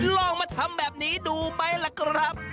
ลองมาทำแบบนี้ดูไหมล่ะครับ